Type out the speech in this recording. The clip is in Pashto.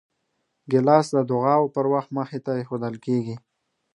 ګیلاس د دعاو پر وخت مخې ته ایښودل کېږي.